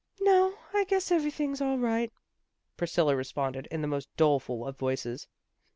"" No, I guess everything's all right," Priscilla responded in the most doleful of voices.